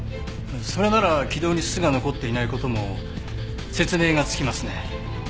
それなら気道に煤が残っていない事も説明がつきますね。